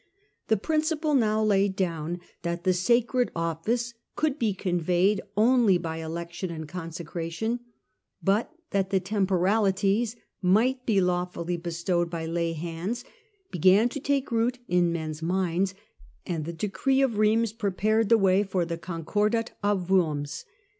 The principle now laid down, that the sacred oflSce could be conveyed only by election and consecration, but that the temporalities might be lawfully bestowed by lay hands, began to take root in men's minds, and the decree of Eeims prepared the way for the concordat of Worms.